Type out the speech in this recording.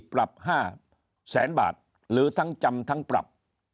ปรับ๕แสนบาทหรือทั้งจำทั้งปรับ